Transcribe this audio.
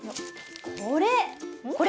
これ！